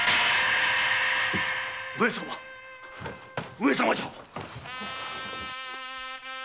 上様上様じゃ！